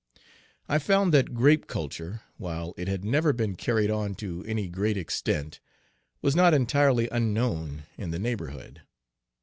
I found that grape culture, while it had never been carried on to any great extent, was not entirely unknown in the neighborhood.